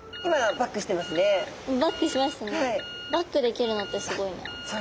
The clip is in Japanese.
バックできるのってすごいな。